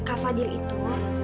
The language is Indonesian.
kak fadil itu